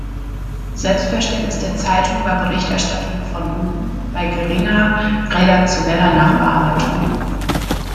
Selbstverständnis der Zeitung war Berichterstattung „von unten“, bei geringer redaktioneller Nachbearbeitung.